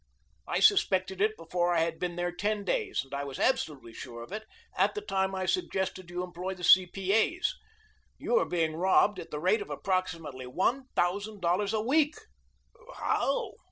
I suspected it before I had been there ten days, and I was absolutely sure of it at the time I suggested you employ the C.P.A.'s. You are being robbed at the rate of approximately one thousand dollars a week." "How?"